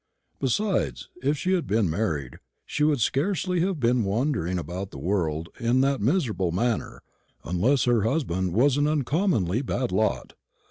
Besides, if she had been married, she would scarcely have been wandering about the world in that miserable manner, unless her husband was an uncommonly bad lot.